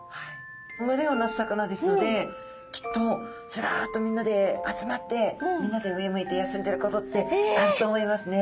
群れを成す魚ですのできっとズラッとみんなで集まってみんなで上向いて休んでることってあると思いますね。